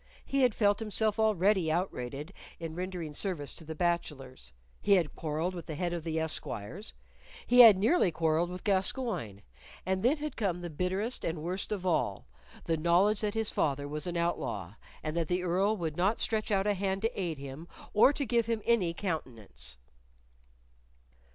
He had felt himself already outrated in rendering service to the bachelors, he had quarrelled with the head of the esquires, he had nearly quarrelled with Gascoyne, and then had come the bitterest and worst of all, the knowledge that his father was an outlaw, and that the Earl would not stretch out a hand to aid him or to give him any countenance.